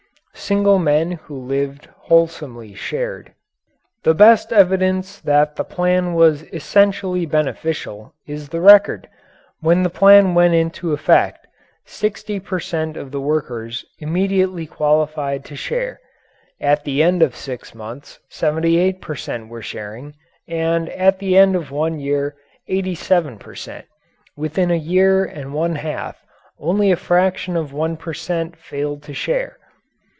Single men who lived wholesomely shared. The best evidence that the plan was essentially beneficial is the record. When the plan went into effect, 60 per cent. of the workers immediately qualified to share; at the end of six months 78 per cent. were sharing, and at the end of one year 87 per cent. Within a year and one half only a fraction of one per cent. failed to share.